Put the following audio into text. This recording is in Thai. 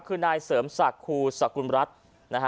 คือนายเสริมศักดิ์ครูสกุลรัฐนะฮะ